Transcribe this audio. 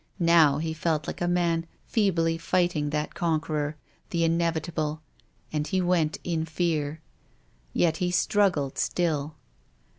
Now he felt like a man feebly fighting that conqueror, the Inevitable, and he went in fear. Yet he struggled still.